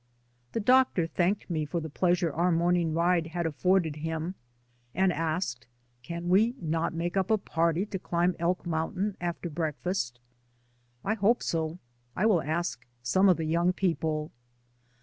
The doctor thanked me for the pleasure our morning ride had afforded him, and asked, "Can we not make up a party to cHmb Elk Mountain after breakfast?" "I hope so. I will ask some of the young people."